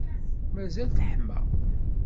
Mazal teḥma.